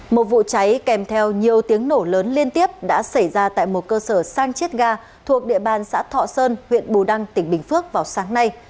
một vụ cháy kèm theo nhiều tiếng nổ lớn liên tiếp đã xảy ra tại một cơ sở sang chiết ga thuộc địa bàn xã thọ sơn huyện bù đăng tỉnh bình phước vào sáng nay